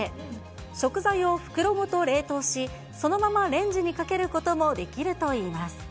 食材を袋ごと冷凍し、そのままレンジにかけることもできるといいます。